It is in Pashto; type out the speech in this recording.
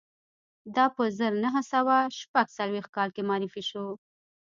دا په زر نه سوه شپږ څلویښت کال کې معرفي شو